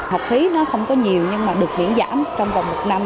học phí nó không có nhiều nhưng mà được hiển giảm trong vòng một năm